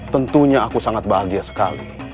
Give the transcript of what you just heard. tentunya aku sangat bahagia sekali